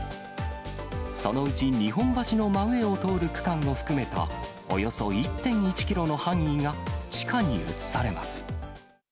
そのうち日本橋の真上を通る区間を含めた、およそ１．１キロの範囲が地下に移されます。